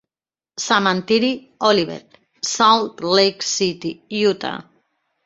Cementiri Olivet, Salt Lake City, Utah.